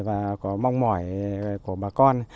và có mong mỏi của bà con